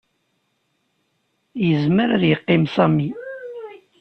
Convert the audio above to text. Yezmer ad yeqqim Sami.